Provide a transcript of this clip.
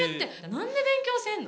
なんで勉強せんの？」